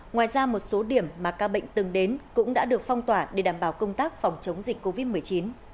ngoài ra một số điểm mà ca bệnh từng đến cũng đã được phong tỏa để đảm bảo công tác phòng chống dịch covid một mươi chín